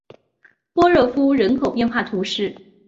波热夫人口变化图示